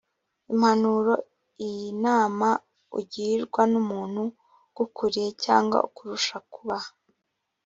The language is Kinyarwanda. impanuro inama ugirwa n umuntu ugukuriye cyangwa ukurusha kuba